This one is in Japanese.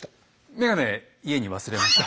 眼鏡家に忘れました。